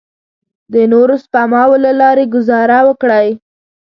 د نورو سپماوو له لارې ګوزاره وکړئ.